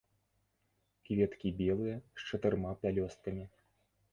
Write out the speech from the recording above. Кветкі белыя, з чатырма пялёсткамі.